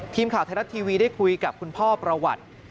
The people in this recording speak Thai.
ทีมข่าวไทยรัฐทีวีได้คุยกับคุณพ่อประวัติ